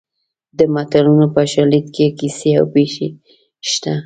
د متلونو په شالید کې کیسې او پېښې شته